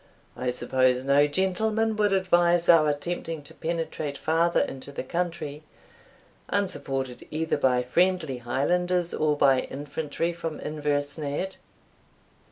I suppose no gentleman would advise our attempting to penetrate farther into the country, unsupported either by friendly Highlanders, or by infantry from Inversnaid?"